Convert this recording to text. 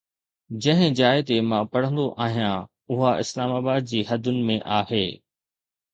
جنهن جاءِ تي مان پڙهندو آهيان، اها اسلام آباد جي حدن ۾ آهي